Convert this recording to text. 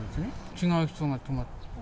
違う人が泊まっていた。